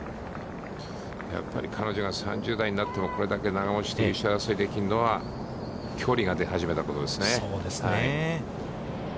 やっぱり彼女が３０代になっても、これだけ、優勝争いができるのは、距離が出始めたことですね。